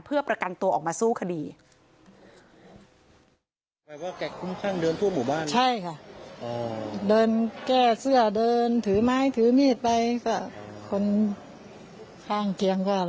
เพื่อประกันตัวออกมาสู้คดี